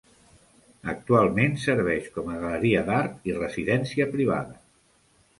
Actualment serveix com a galeria d'art i residència privada.